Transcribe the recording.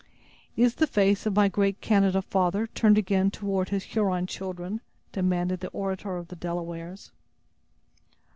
"Is the face of my great Canada father turned again toward his Huron children?" demanded the orator of the Delawares.